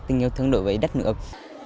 tình yêu thương đối với đất nước